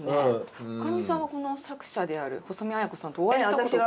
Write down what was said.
女将さんはこの作者である細見綾子さんとお会いしたことが。